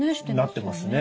なってますね。